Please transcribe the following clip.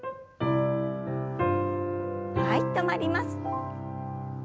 はい止まります。